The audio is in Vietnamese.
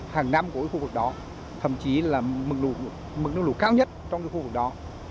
hàng năm của khu vực đó thậm chí là mực nước lũ cao nhất trong khu vực đó